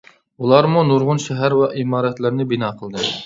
ئۇلارمۇ نۇرغۇن شەھەر ۋە ئىمارەتلەرنى بىنا قىلدى.